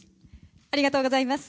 ありがとうございます。